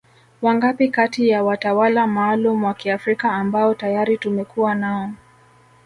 Wangapi kati ya watawala maalum wa Kiafrika ambao tayari tumekuwa nao